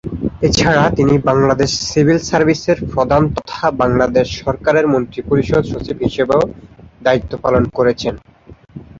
এছাড়া তিনি বাংলাদেশ সিভিল সার্ভিসের প্রধান তথা বাংলাদেশ সরকারের মন্ত্রিপরিষদ সচিব হিসেবেও দায়িত্ব পালন করেছেন।